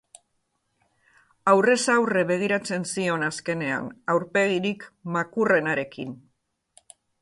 Aurrez aurre begiratzen zion azkenean, aurpegirik makurrenarekin.